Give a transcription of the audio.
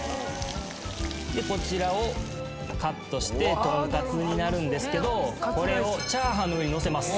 でこちらをカットしてトンカツになるんですけどこれを炒飯の上に載せます。